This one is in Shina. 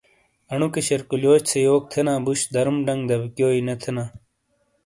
انوکے شیرقلیوچ سے یوک تھینا بوش درم ڈنگ دبیکیوے نے تھینا۔